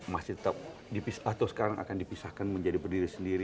masih tetap atau sekarang akan dipisahkan menjadi berdiri sendiri